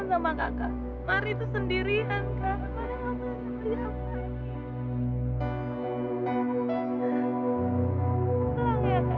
kakak masih punya marni